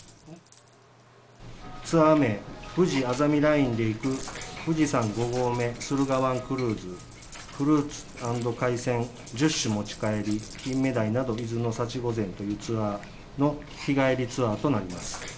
ツアー名ふじあざみラインで行く富士山５合目フルーツ＆海産１０種持ち帰りキンメダイなど伊豆の幸御膳というツアーの日帰りツアーとなります。